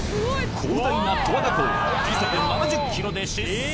広大な十和田湖を時速７０キロで疾走！